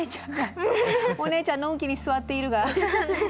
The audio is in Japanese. お姉ちゃんのんきに座っているが。